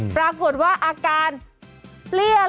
ปรากฏว่าอาการเลี่ยเลยค่ะ